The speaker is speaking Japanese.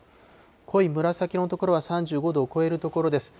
濃い紫色の所は３５度を超える所です。